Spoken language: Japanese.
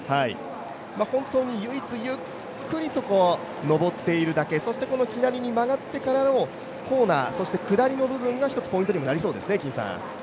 本当に唯一ゆっくりと上っているだけ、そしてこの左に曲がってからのコーナー下りの部分が一つ、ポイントになりそうですね。